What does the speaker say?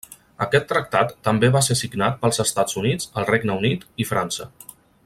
Aquest tractat també va ser signat pels Estats Units, el Regne Unit i França.